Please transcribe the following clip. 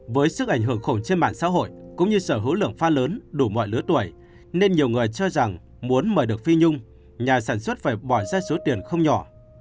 với sức ảnh hưởng khổng trên mạng xã hội cũng như sở hữu lượng pha lớn đủ mọi lứa tuổi nên nhiều người cho rằng muốn mời được phi nhung nhà sản xuất phải bỏ ra số tiền không nhỏ